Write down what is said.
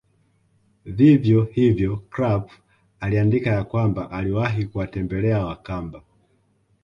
Vivyo hivyo Krapf aliandika ya kwamba aliwahi kuwatembela Wakamba